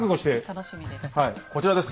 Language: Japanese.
楽しみです。